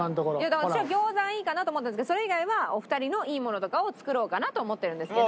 だから私は餃子がいいかなと思ってたんですけどそれ以外はお二人のいいものとかを作ろうかなと思ってるんですけど。